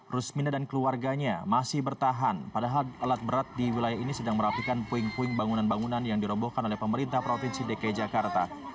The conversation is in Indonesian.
rusmina dan keluarganya masih bertahan padahal alat berat di wilayah ini sedang merapikan puing puing bangunan bangunan yang dirombohkan oleh pemerintah provinsi dki jakarta